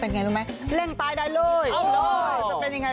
ไงรู้ไหมเร่งตายได้เลยจะเป็นยังไง